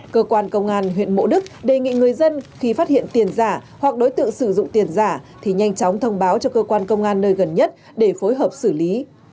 cơ quan công an huyện mộ đức đề nghị người dân khi phát hiện tiền giả hoặc đối tượng sử dụng tiền giả thì nhanh chóng thông báo cho cơ quan công an nơi gần nhất để phối hợp xử lý